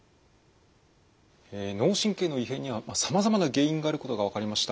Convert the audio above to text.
脳神経の異変にはさまざまな原因があることが分かりました。